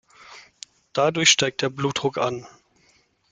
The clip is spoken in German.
Dadurch steigt der Blutdruck an.